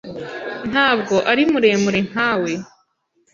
Ntabwo ari muremure nkawe.